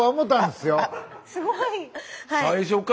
すごい。